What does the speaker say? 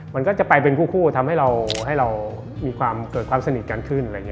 มันก็จะไปเป็นคู่ทำให้เรามีเกิดความสนิทกันขึ้น